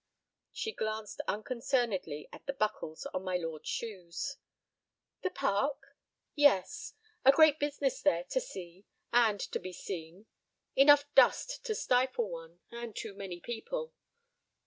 She glanced unconcernedly at the buckles on my lord's shoes. "The park? Yes. A great business there, to see—and to be seen. Enough dust to stifle one; and too many people."